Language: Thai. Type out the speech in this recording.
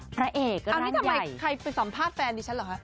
พระเอกอันนี้ทำไมใครไปสัมภาษณ์แฟนดิฉันเหรอคะ